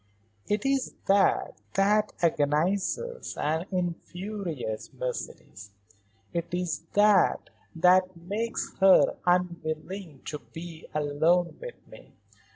It's that that agonizes and infuriates Mercedes, it's that that makes her unwilling to be alone with me.